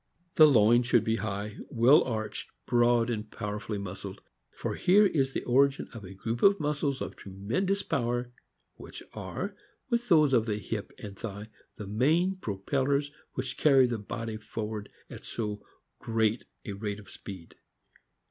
The loin should be high, well arched, broad, and power fully muscled: for here is the origin of a group of muscles of tremendous power, which are, with those of the hip and thigh, the main propellers which carry the body forward at so great a rate of speed.